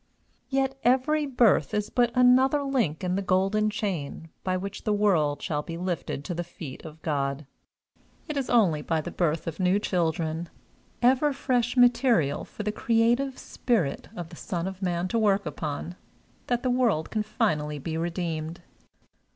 Yet every birth is but another link in the golden chain by which the world shall be lifted to the feet of God. It is only by the birth of new children, ever fresh material for the creative Spirit of the Son of Man to work upon, that the world can finally be redeemed.